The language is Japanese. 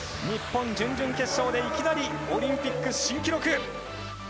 日本、準々決勝でいきなりオリンピック新記録。